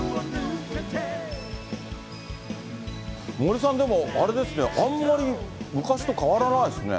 森さん、でもあれですね、あんまり昔と変わらないですね。